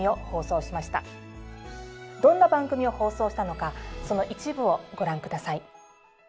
どんな番組を放送したのかその一部をご覧下さい。